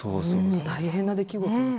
大変な出来事。